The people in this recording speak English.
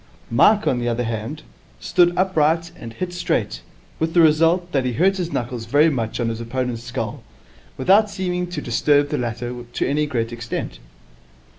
Mike, on the other hand, stood upright and hit straight, with the result that he hurt his knuckles very much on his opponent's skull, without seeming to disturb the latter to any great extent.